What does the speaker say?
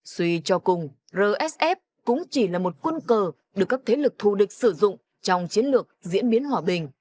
suy cho cùng rsf cũng chỉ là một quân cờ được các thế lực thù địch sử dụng trong chiến lược diễn biến hòa bình